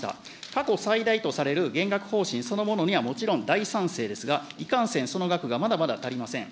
過去最大とされる減額方針、そのものにはもちろん大賛成ですが、いかんせん、その額がまだまだ足りません。